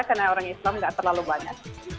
karena orang islam tidak terlalu banyak